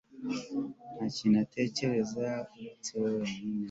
Nta kindi atekereza uretse we wenyine